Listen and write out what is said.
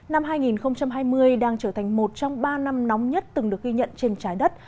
năm hai nghìn hai mươi đang trở thành một trong ba năm nóng nhất từng được ghi nhận trên trái đất